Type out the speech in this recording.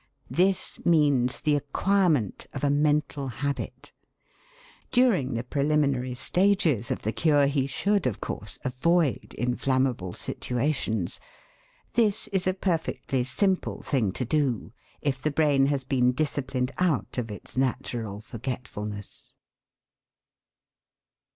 This means the acquirement of a mental habit. During the preliminary stages of the cure he should, of course, avoid inflammable situations. This is a perfectly simple thing to do, if the brain has been disciplined out of its natural forgetfulness.